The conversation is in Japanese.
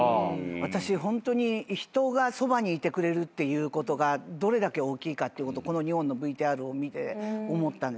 私ホントに人がそばにいてくれるってことがどれだけ大きいかこの２本のＶＴＲを見て思ったんですよ。